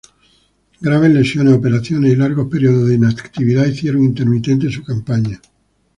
Graves lesiones, operaciones y largos períodos de inactividad hicieron intermitente su campaña.